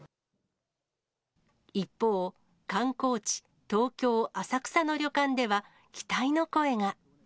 一方、観光地、東京・浅草の旅館では期待の声が。